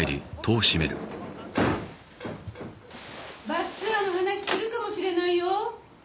バスツアーの話するかもしれないよ？